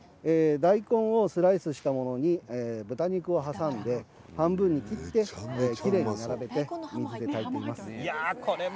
大根をスライスしたものに豚肉を挟んで半分に切ってきれいに並べて炊いています。